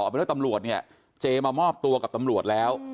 เป็นว่าตำรวจเนี่ยเจมามอบตัวกับตำรวจแล้ว